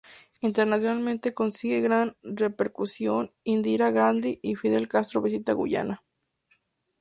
Internacionalmente consigue gran repercusión: Indira Gandhi y Fidel Castro visitan Guyana.